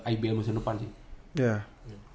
ibl musim depan sih ya